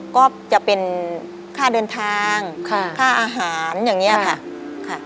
ก็จะเป็นค่าเดินทางค่าอาหารอย่างนี้ค่ะ